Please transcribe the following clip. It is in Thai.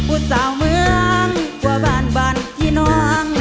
อุตส่าห์เมืองกว่าบ้านบ้านที่น้อง